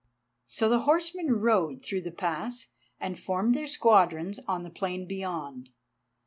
So the horsemen rode through the pass and formed their squadrons on the plain beyond.